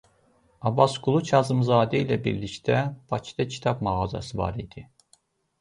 Abbasqulu Kazımzadə ilə birlikdə Bakıda kitab mağazası var idi.